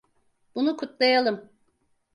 Bunu kutlayalım.